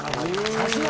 さすが。